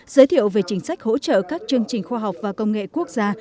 giới thiệu về chính sách hỗ trợ các chương trình khoa học và công nghệ quốc gia